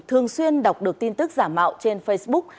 thường xuyên đọc được tin tức giả mạo trên facebook